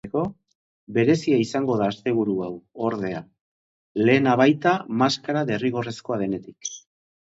Berezia izango da asteburu hau, ordea, lehena baita maskara derrigorrezkoa denetik.